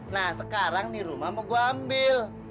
nah sekarang nih rumah mau gue ambil